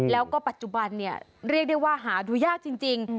แล้วก็ปัจจุบันเนี่ยเรียกได้ว่าหาดูยากจริง